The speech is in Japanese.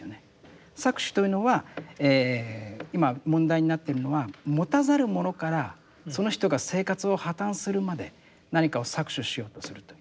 搾取というのは今問題になってるのは持たざる者からその人が生活を破綻するまで何かを搾取しようとするということですよね。